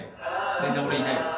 全然俺いないわ。